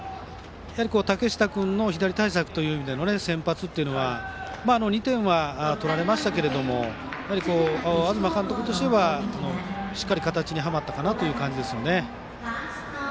竹下君の左対策という意味での先発は２点は取られましたけど東監督としてはしっかり形にはまった感じですね。